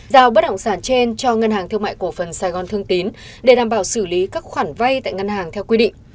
giao bất động sản trên cho ngân hàng thương mại cổ phần sài gòn thương tín để đảm bảo xử lý các khoản vay tại ngân hàng theo quy định